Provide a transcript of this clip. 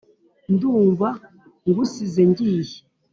Ndumva ngusize ngiye,